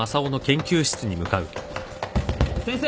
先生！